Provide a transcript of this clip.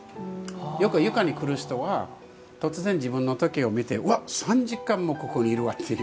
よく床に来る人は突然自分の時計を見て「わっ３時間もここにいるわ」という。